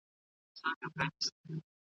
که تعلیم ژوره پوهه ورکړي، معلومات ژر نه هېرېږي.